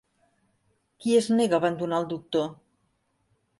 Qui es nega abandonar al Doctor?